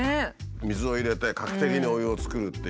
水を入れて画期的にお湯を作るっていう。